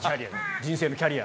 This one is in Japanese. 人生のキャリア。